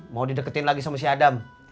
lo udah di deketin lagi sama si adam